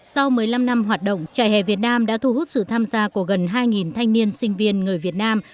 sau một mươi năm năm hoạt động trại hè việt nam đã thu hút sự tham gia của gần hai thanh niên sinh viên người việt nam